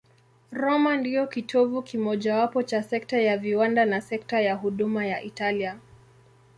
Roma ndiyo kitovu kimojawapo cha sekta ya viwanda na sekta ya huduma ya Italia.